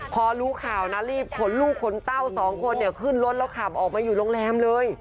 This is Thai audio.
พอรู้ข่าวนะรีบขนลูกขนเต้าสองคนเนี่ยขึ้นรถแล้วขับออกมาอยู่โรงแรมเลย